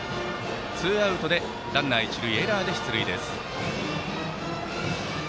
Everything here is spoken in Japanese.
ツーアウトでランナー、一塁エラーで出塁です。